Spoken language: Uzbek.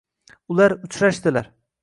Ular uchrashdilar